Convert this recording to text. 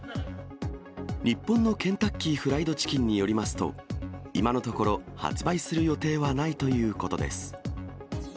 日本のケンタッキー・フライド・チキンによりますと、今のところ、発売する予定はないということです。